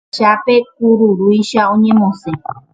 Typychápe kururúicha oñemosẽ